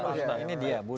ini dia budi